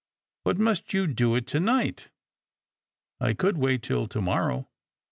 But must you do it to night?" " I could wait till to morrow."